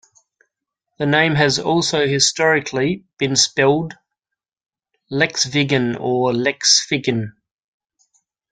The name has also, historically, been spelled "Lexvigen" or "Leksviken".